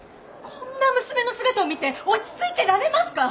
こんな娘の姿を見て落ち着いてられますか！？